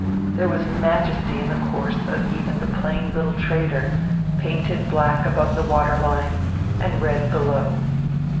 There was majesty in the course of even the plain little trader, painted black above the water line and red below.